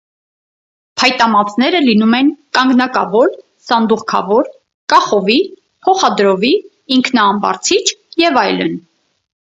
Փայտամածները լինում են կանգնակավոր, սանդուղքավոր, կախովի, փոխադրովի, ինքնաամբարձիչ ևն։